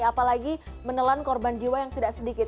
apalagi menelan korban jiwa yang tidak sedikit